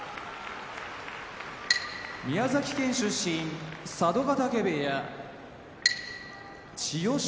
宮崎県出身佐渡ヶ嶽部屋千代翔